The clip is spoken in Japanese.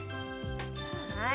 はい。